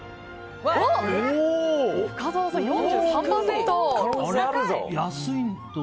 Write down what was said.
深澤さん４３％！